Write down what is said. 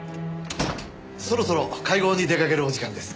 そろそろ会合に出かけるお時間です。